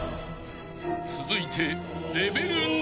［続いて］